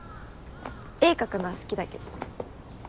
絵描くのは好きだけどね。